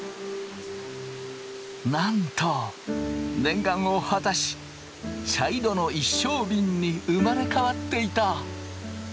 なんと念願を果たし茶色の一升びんに生まれ変わっていた。